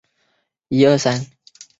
香港澳门